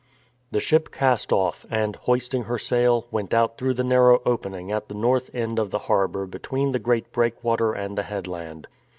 The ship cast off, and, hoisting her sail, went out through the narrow opening at the north end of the harbour between the great breakwater and the head land.